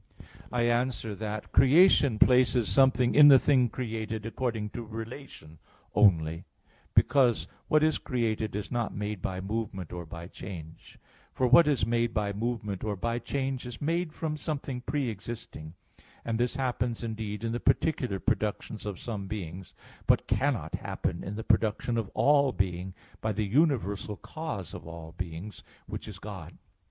I answer that, Creation places something in the thing created according to relation only; because what is created, is not made by movement, or by change. For what is made by movement or by change is made from something pre existing. And this happens, indeed, in the particular productions of some beings, but cannot happen in the production of all being by the universal cause of all beings, which is God.